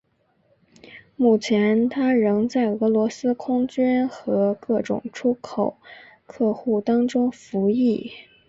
目前它仍在俄罗斯空军和各种出口客户当中服役。